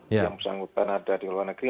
yang bersangkutan ada di luar negeri